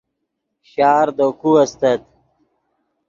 شار دے کو استت